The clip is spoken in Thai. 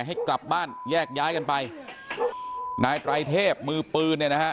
ให้กลับบ้านแยกย้ายกันไปนายไตรเทพมือปืนเนี่ยนะฮะ